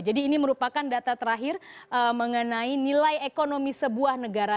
jadi ini merupakan data terakhir mengenai nilai ekonomi sebuah negara